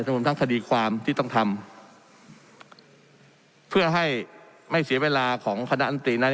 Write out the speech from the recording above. รวมทั้งคดีความที่ต้องทำเพื่อให้ไม่เสียเวลาของคณะอันตรีนั้น